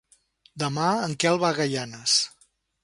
Demà en Quel va a Gaianes.